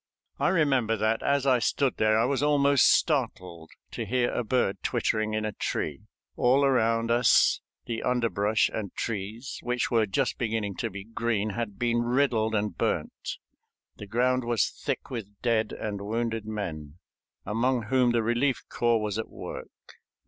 I remember that as I stood there I was almost startled to hear a bird twittering in a tree. All around us the underbrush and trees, which were just beginning to be green, had been riddled and burnt. The ground was thick with dead and wounded men, among whom the relief corps was at work.